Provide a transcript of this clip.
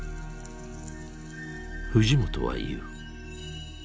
藤本は言う。